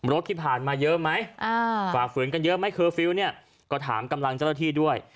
รถที่ผ่านมาเยอะไหมฝ่าฝืนกันเยอะไหมเคอร์ฟิลล์เนี่ยก็ถามกำลังเจ้าหน้าที่ด้วย